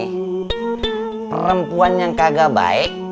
perempuan yang kagak baik